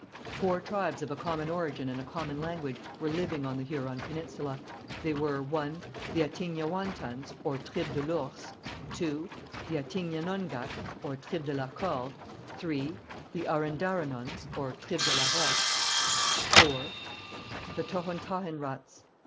Four tribes of a common origin and a common language were living on the Huron peninsula. They were: (1.) The Attignaouantans, or Tribe de l'Ours; (2.) The Attignenonghacs, or Tribe de la Corde; (3.) The Arendarrhonons, or Tribe de la Roche; (4.) The Tohontahenrats.